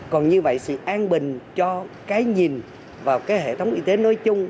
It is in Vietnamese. còn như vậy sự an bình cho cái nhìn vào hệ thống y tế nối chung